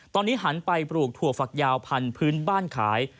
ตอนนี้หันไปปลูกถั่วฝักยาวพันธุ์พื้นบ้านขาย